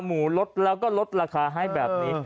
หมูลดแล้วก็ลดราคาให้แบบนี้